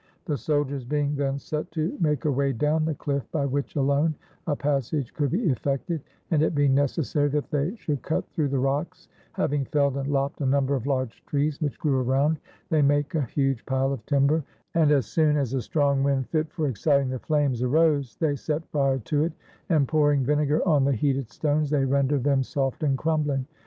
The soldiers being then set to make a way down the cHff, by which alone a passage could be effected, and it being necessary that they should cut through the rocks, having felled and lopped a number of large trees which grew around, they make a huge pile of timber; and as soon as a strong wind fit for exciting the flames arose, they set fire to it, and, pouring vinegar on the heated stones, they render them soft and crumbhng.